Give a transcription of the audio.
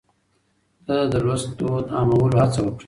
ده د لوست دود عامولو هڅه وکړه.